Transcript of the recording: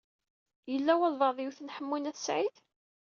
Yella walebɛaḍ i yewten Ḥemmu n At Sɛid?